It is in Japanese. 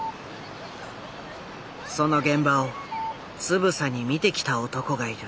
その現場をつぶさに見てきた男がいる。